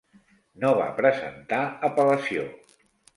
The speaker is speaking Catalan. No va presentar apel·lació.